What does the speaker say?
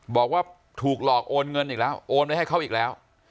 บอกว่าถูกหลอกโอนเงินอีกแล้วโอนไว้ให้เขาอีกแล้ว